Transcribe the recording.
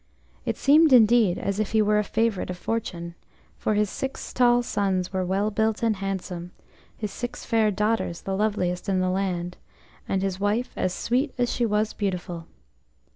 It seemed indeed as if he were a favourite of fortune, for his six tall sons were well built and handsome, his six fair daughters the loveliest in the land, and his wife as sweet as she was beautiful.